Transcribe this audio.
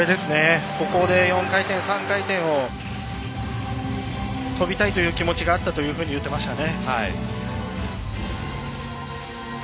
ここで４回転、３回転を跳びたいという気持ちがあったと言っていましたね。